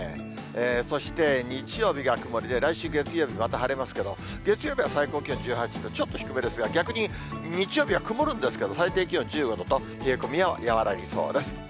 そして日曜日が曇りで、来週月曜日、また晴れますけど、月曜日は最高気温１８度、ちょっと低めですが、逆に日曜日は曇るんですけれども、最低気温１５度と、冷え込みが和らぎそうです。